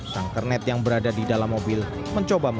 sang kernet yang berada di dalam mobil mencoba